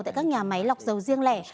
tại các nhà máy lọc dầu riêng lẻ